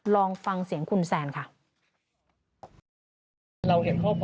ลองฟังเสียงคุณแซนค่ะ